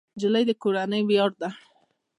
نجلۍ د کورنۍ ویاړ ده.